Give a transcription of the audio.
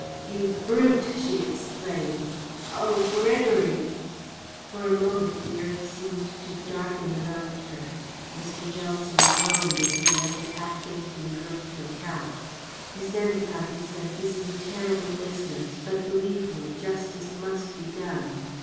"You brute!" she exclaimed. "Oh, Gregory!" For a moment the earth seemed to darken around her. Mr. Johnson groaned as he led the half fainting girl to a couch. "Miss Endacott," he said, "this is a terrible business, but believe me, justice must be done.